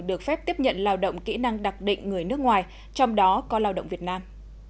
được phép tiếp nhận lao động kỹ năng đặc định người nước ngoài trong đó có lao động việt nam